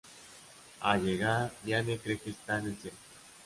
Al llegar, Diane cree que está en el cielo.